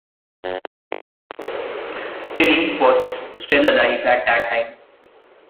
Tillie was still alive at that time.